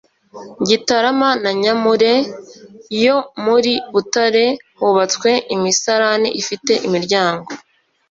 gitarama na nyamure yo muri butare hubatswe imisarani ifite imiryango